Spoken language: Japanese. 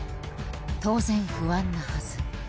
当然不安なはず